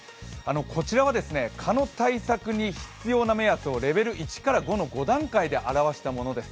こちらは蚊の対策に必要な目安を５段階で表したものです。